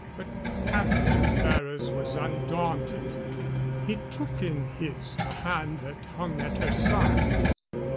But Captain Ferrers was undaunted. He took in his the hand that hung at her side.